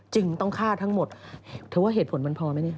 จริงต้องฆ่าทั้งหมดเธอว่าเหตุผลมันพอไหมเนี่ย